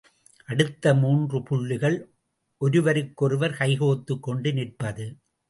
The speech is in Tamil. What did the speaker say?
அடுத்த மூன்று புள்ளிகள் ஒருவருக்கொருவர் கைகோர்த்துக் கொண்டு நிற்பது.